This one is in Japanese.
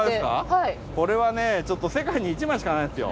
これはねちょっと世界に一枚しかないんですよ。